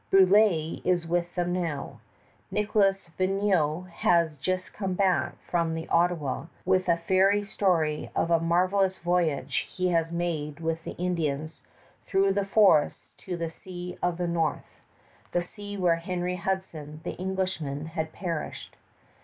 Brulé is with them now. Nicholas Vignau has just come back from the Ottawa with a fairy story of a marvelous voyage he has made with the Indians through the forests to the Sea of the North the sea where Henry Hudson, the Englishman, had perished.